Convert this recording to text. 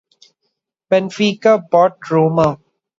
Benfica bought Roma.